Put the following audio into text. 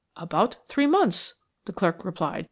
"About three months," the clerk replied.